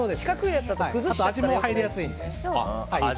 あと、味も入りやすいので。